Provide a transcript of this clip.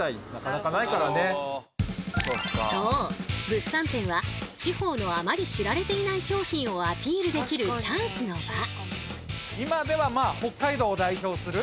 物産展は地方のあまり知られていない商品をアピールできるチャンスの場！